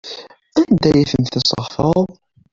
Anda ay tent-tesseɣtaḍ?